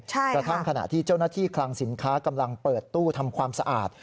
กระทั่งขณะที่เจ้าหน้าที่คลังสินค้ากำลังเปิดตู้ทำความสะอาด